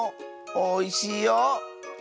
おいしいよ！